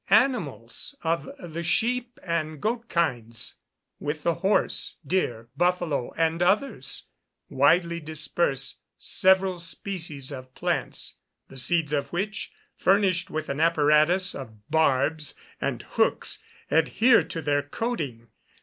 Animals of the sheep and goat kinds, with the horse, deer, buffalo, and others, widely disperse several species of plants, the seeds of which, furnished with an apparatus of barbs and hooks, adhere to their coating.